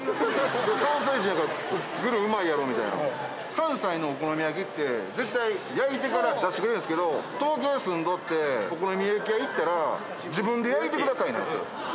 関西人やから作るのうまいやろみたいな、関西のお好み焼きって絶対、焼いてから出してくれるんですけど、東京に住んどって、お好み焼き屋に行ったら、自分で焼いてくださいなんですよ。